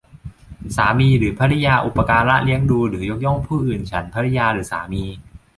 สามีหรือภริยาอุปการะเลี้ยงดูหรือยกย่องผู้อื่นฉันภริยาหรือสามี